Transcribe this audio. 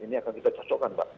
ini akan kita cocokkan mbak